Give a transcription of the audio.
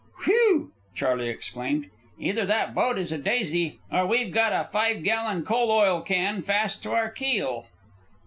"Whew!" Charley exclaimed. "Either that boat is a daisy, or we've got a five gallon coal oil can fast to our keel!"